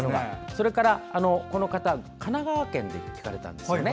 それから、この方神奈川県で聞かれたんですよね。